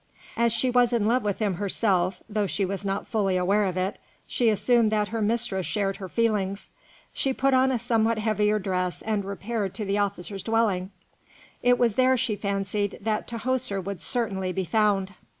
As she was in love with him herself, though she was not fully aware of it, she assumed that her mistress shared her feelings. She put on a somewhat heavier dress and repaired to the officer's dwelling. It was there, she fancied, that Tahoser would certainly be found.